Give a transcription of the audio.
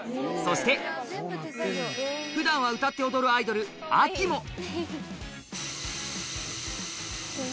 そして、ふだんは歌って踊るアイドル、あきも。